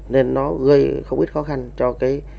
nên nó gây không ít khó khăn cho cái